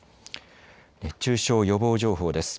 熱中症予防情報です。